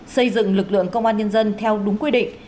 xây dựng lực lượng công an nhân dân theo đúng quy định